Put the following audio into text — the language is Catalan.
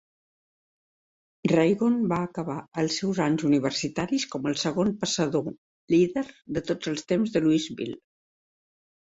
Ragone va acabar els seus anys universitaris com el segon passador líder de tots els temps de Louisville.